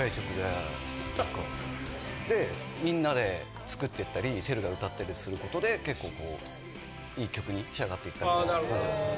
でみんなで作ってったりＴＥＲＵが歌ったりすることで結構いい曲に仕上がっていったってまあ感じなんです。